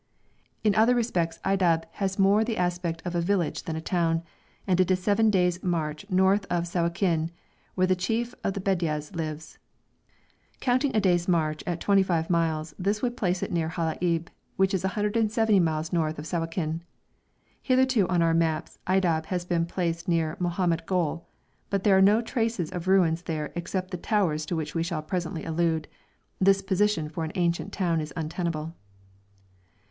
In other respects Aydab has more the aspect of a village than a town, and it is seven days' march north of Sawakin, where the chief of the Bedjas lives.' Counting a day's march at twenty five miles, this would place it near Halaib, which is 170 miles north of Sawakin. Hitherto on our maps Aydab has been placed near Mohammed Gol, but, as there are no traces of ruins there except the towers to which we shall presently allude, this position for an ancient town is untenable.